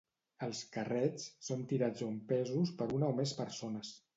Els "carrets" són tirats o empesos per una o més persones.